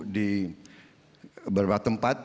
di beberapa tempat